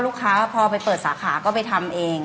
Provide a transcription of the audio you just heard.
ลูกค้าก็พอไปเปิดสาขาก็ไปทำเอง